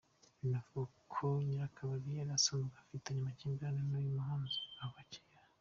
Binavugwa ko nyir’akabari yari asanzwe afitanye amakimbirane n’uyu muhanzi kuva cyera.